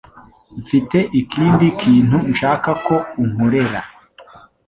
Mfite ikindi kintu nshaka ko unkorera.